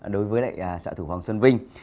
đối với lại xã thủ hoàng xuân vinh